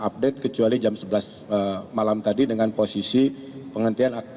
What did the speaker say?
kami mendapatkan informasi terupdate kecuali jam sebelas malam tadi dengan posisi penghentian